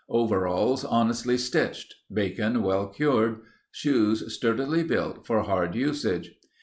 Overalls honestly stitched. Bacon well cured. Shoes sturdily built for hard usage.